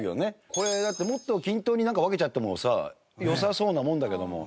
これだってもっと均等に分けちゃってもさよさそうなものだけども。